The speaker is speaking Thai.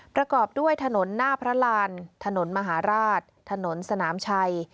ประกอบด้วยถนนหน้าพระรานถนนมหาราชถนนสนามชัย